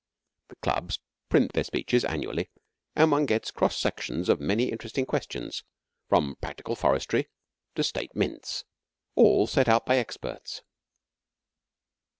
The Clubs print their speeches annually, and one gets cross sections of many interesting questions from practical forestry to State mints all set out by experts.